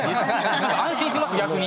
安心します逆に。